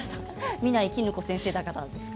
みないきぬこ先生だからですか。